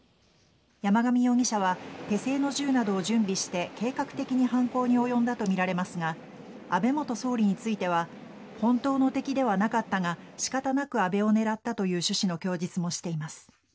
山上容疑者は手製の銃などを準備して計画的に犯行に及んだとみられますが安倍元総理については本当の敵ではなかったが仕方なく安倍を狙ったという趣旨の供述もしています。